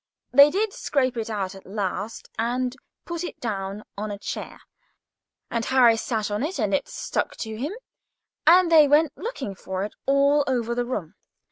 They did scrape it out at last, and put it down on a chair, and Harris sat on it, and it stuck to him, and they went looking for it all over the room.